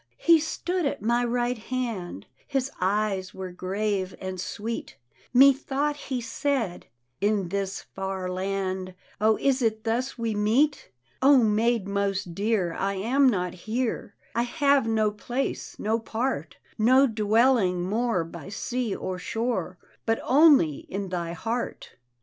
He stood at my right hand, His eyes were grave and sweet Methought he said, " In this far land, O, is it thus we meet? Ah, maid most dear, I am not here; I have no place, — no part, — No dwelling more by sea or shore, But only in thy heart."